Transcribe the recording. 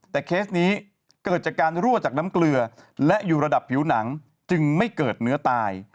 แต่เคสนี้เกิดจากการรั่วจากน้ำเกลือและอยู่ระดับผิวหนังจึงไม่เกิดเนื้อตาย